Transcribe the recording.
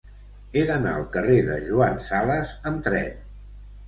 He d'anar al carrer de Joan Sales amb tren.